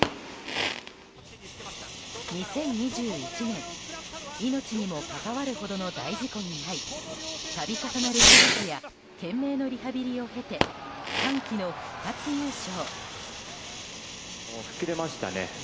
２０２１年命にも関わるほどの大事故に遭い度重なる手術や懸命のリハビリを経て歓喜の復活優勝。